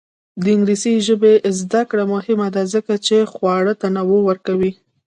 د انګلیسي ژبې زده کړه مهمه ده ځکه چې خواړه تنوع ورکوي.